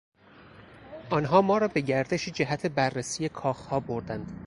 آنها ما را به گردشی جهت بررسی کاخها بردند.